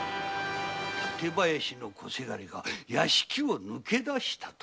館林の小せがれが屋敷を抜け出したと？